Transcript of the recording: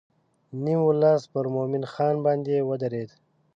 نیم ولس پر مومن خان باندې ودرېد.